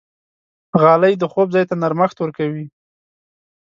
غالۍ د خوب ځای ته نرمښت ورکوي.